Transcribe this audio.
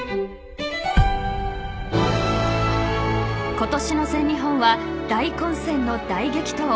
今年の全日本は大混戦の大激闘。